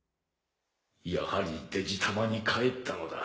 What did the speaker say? やはりデジタマにかえったのだ。